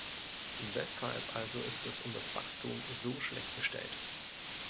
Weshalb also ist es um das Wachstum so schlecht bestellt?